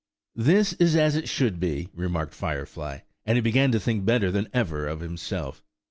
"This is as it should be," remarked Firefly; and he began to think better than ever of himself.